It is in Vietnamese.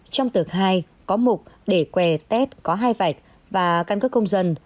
trong tờ khai có mục để que test có hai vạch và căn cứ công dân